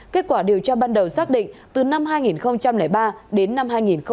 kết quả điều tra ban đầu xác định từ năm hai nghìn ba đến năm hai nghìn tám